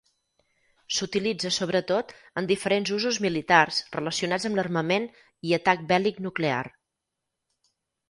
S'utilitza sobretot en diferents usos militars relacionats amb l'armament i atac bèl·lic nuclear.